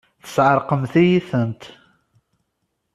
Tesεeṛqemt-iyi-tent!